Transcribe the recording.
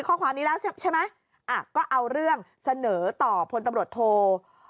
ข้อความนี้แล้วใช่ไหมอ่ะก็เอาเรื่องเสนอต่อพลตำรวจโท